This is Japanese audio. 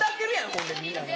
ほんでみんなも。